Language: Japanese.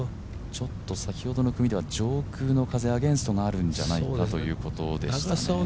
ちょっと先ほどの組では上空の風、アゲンストがあるんじゃないかということでしたけど。